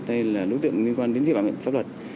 hay là đối tượng liên quan đến thiết bản pháp luật